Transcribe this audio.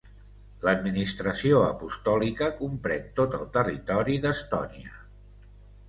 L'administració apostòlica comprèn tot el territori d'Estònia.